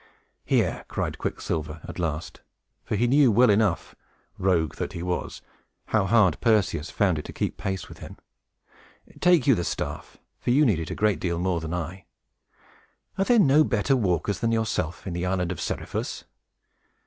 "Here!" cried Quicksilver, at last, for he knew well enough, rogue that he was, how hard Perseus found it to keep pace with him, "take you the staff, for you need it a great deal more than I. Are there no better walkers than yourself in the island of Seriphus?"